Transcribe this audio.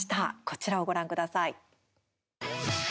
こちらをご覧ください。